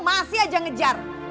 masih aja ngejar